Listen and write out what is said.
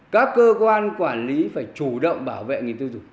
các cơ quan quản lý phải chủ động bảo vệ người tiêu dùng